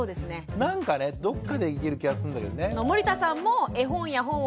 どっかでいける気がするんだけどね。